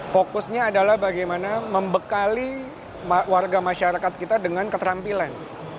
fokusnya adalah bagaimana membekali warga masyarakat kita dengan keterampilan